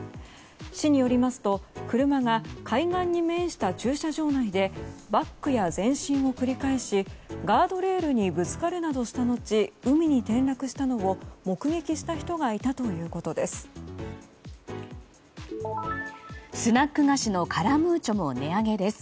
市によりますと車が海岸に面した駐車場内でバックや前進を繰り返しガードレールにぶつかるなどした後海に転落したのを目撃した人がいたということです。